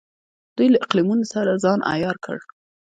دوی له اقلیمونو سره ځان عیار کړ.